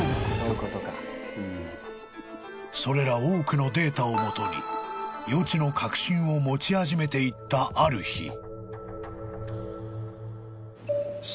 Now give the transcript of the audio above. ［それら多くのデータをもとに予知の確信を持ち始めていったある日］